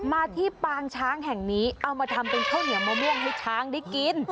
มาที่ปางช้างแห่งนี้เอามาทำเป็นข้าวเหนียวมะม่วงให้ช้างได้กิน